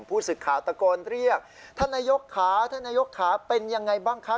ผู้สื่อข่าวตะโกนเรียกท่านนายกขาท่านนายกขาเป็นยังไงบ้างคะ